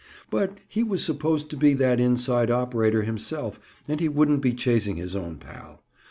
But he (Bob) was supposed to be that inside operator, himself, and he wouldn't be chasing his own pal.